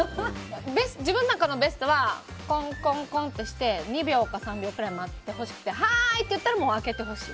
自分の中のベストはコンコンコンってして２秒か３秒くらい待ってほしくてはーい！って言ったら開けてほしい。